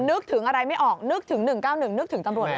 นึกถึงอะไรไม่ออกนึกถึง๑๙๑นึกถึงตำรวจเลย